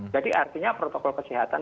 jadi artinya protokol kesehatan